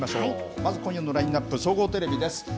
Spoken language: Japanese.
まず今夜のラインナップ、総合テレビです。